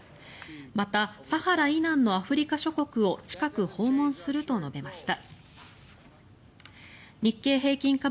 またサハラ以南のアフリカ諸国を近く訪問すると述べました。